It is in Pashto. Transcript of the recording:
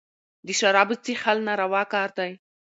د شرابو څېښل ناروا کار دئ.